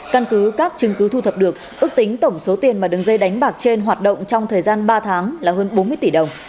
căn cứ các chứng cứ thu thập được ước tính tổng số tiền mà đường dây đánh bạc trên hoạt động trong thời gian ba tháng là hơn bốn mươi tỷ đồng